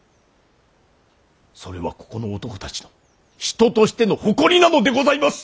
それはここの男たちの人としての誇りなのでございます！